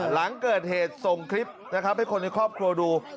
หลังเกิดเหตุส่งคลิปนะครับให้คนในครอบครัวดู